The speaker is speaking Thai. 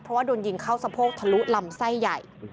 เพราะว่าโดนยิงเข้าสะโพกทะลุลำไส้ใหญ่